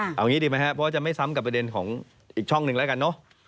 เอางี้ดีไหมครับเพราะว่าจะไม่ซ้ำกับประเด็นของอีกช่องหนึ่งแล้วกันเนอะ